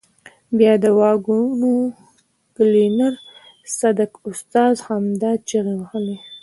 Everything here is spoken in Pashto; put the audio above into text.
بیا د واګون کلینر صدک استاد همدا چیغې وهلې.